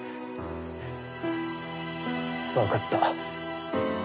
分かった。